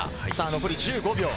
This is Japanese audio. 残り１５秒。